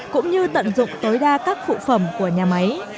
cũng như tận dụng tối đa các phụ phẩm của nhà máy